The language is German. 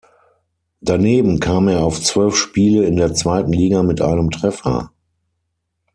Daneben kam er auf zwölf Spiele in der Zweiten Liga mit einem Treffer.